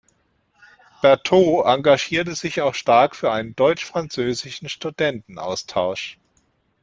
Bertaux engagierte sich auch stark für einen deutsch-französischen Studentenaustausch.